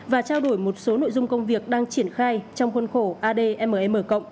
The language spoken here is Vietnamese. và trao đổi một số nội dung công việc đang triển khai trong khuôn khổ admm